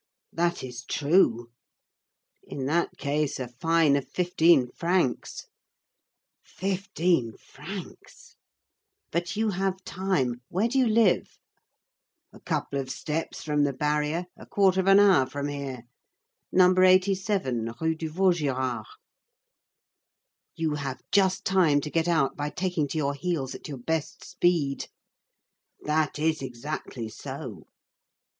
"That is true." "In that case, a fine of fifteen francs." "Fifteen francs." "But you have time. Where do you live?" "A couple of steps from the barrier, a quarter of an hour from here. No. 87 Rue de Vaugirard." "You have just time to get out by taking to your heels at your best speed." "That is exactly so."